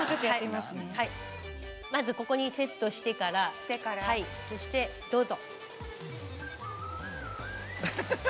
まずここにセットしてからそしてどうぞ。